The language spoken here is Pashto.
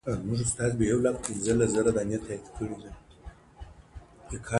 تعلیم نجونو ته د ژوند مهارتونه ور زده کوي.